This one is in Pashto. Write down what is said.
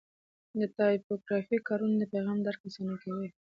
د ټایپوګرافي کارونه د پیغام درک اسانه کوي.